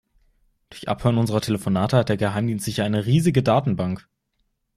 Durch Abhören unserer Telefonate hat der Geheimdienst sicher eine riesige Datenbank.